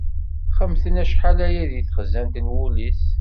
Xemten acḥal aya deg texzant n wul-is.